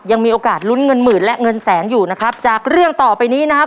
ยังมีโอกาสลุ้นเงินหมื่นและเงินแสนอยู่นะครับจากเรื่องต่อไปนี้นะครับ